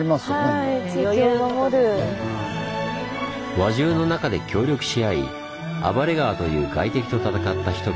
輪中の中で協力し合い暴れ川という外敵と闘った人々。